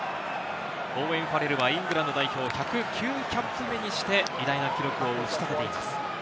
オーウェン・ファレルはイングランド代表、１０９キャップ目にして、偉大な記録を打ち立てています。